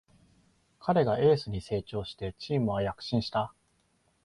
彼がエースに成長してチームは躍進した